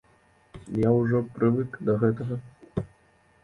Я ўжо прывык да гэтага.